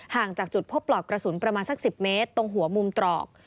จากจุดพบปลอกกระสุนประมาณสัก๑๐เมตรตรงหัวมุมตรอก